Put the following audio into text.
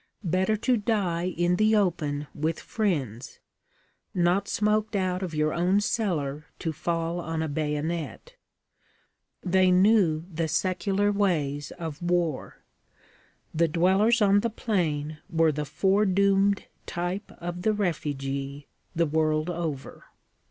Better to die in the open with friends not smoked out of your own cellar to fall on a bayonet. They knew the secular ways of war: the dwellers on the plain were the foredoomed type of the refugee, the world over.